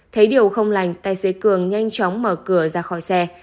thấy điều không lành tài xế cường nhanh chóng mở cửa ra khỏi xe